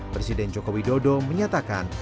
presiden jokowi dodo menyatakan